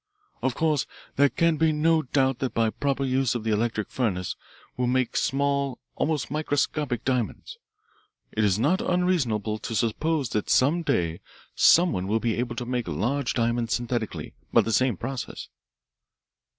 "Of course there can be no doubt that by proper use the electric furnace will make small, almost microscopic diamonds. It is not unreasonable to suppose that some day someone will be able to make large diamonds synthetically by the same process."